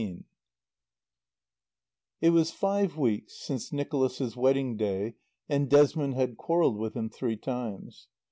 XV It was five weeks since Nicholas's wedding day and Desmond had quarrelled with him three times.